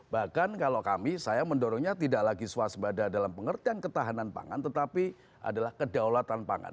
bahkan kalau kami saya mendorongnya tidak lagi swaspada dalam pengertian ketahanan pangan tetapi adalah kedaulatan pangan